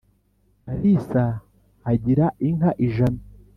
Kalisa agira inka ijana